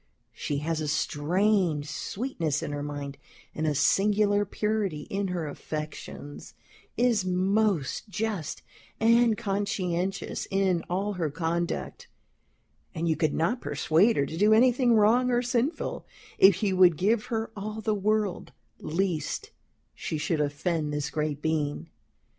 She has a strange sweetness in her mind, and a singular purity in her affections; is most just and conscientious in all her conduct; and you could not persuade her to do anything wrong or sinful, if you would give her all the world, lest she should offend this Great Being.